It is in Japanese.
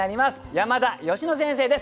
山田佳乃先生です